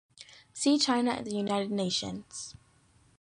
See China and the United Nations.